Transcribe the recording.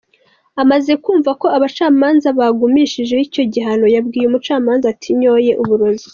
Amaze kwumva ko abacamanza bagumishijeho icyo gihano, yabwiye umucamanza ati, “Nyoye uburozi”.